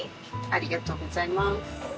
ありがとうございます。